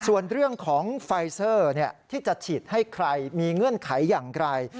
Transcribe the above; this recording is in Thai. ส่วนเรื่องของไฟเซอร์ที่จะฉีดให้ใครมีเงื่อนไขอย่างไร